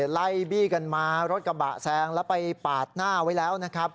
ไล่บี้กันมารถกระบะแซงแล้วไปปาดหน้าไว้แล้วนะครับ